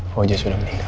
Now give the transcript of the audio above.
fauzi sudah meninggal